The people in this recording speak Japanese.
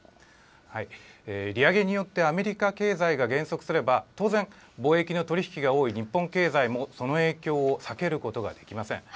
利上げによってアメリカ経済が減速すれば、当然、貿易の取り引きが多い日本経済もその影響を避けることはできません。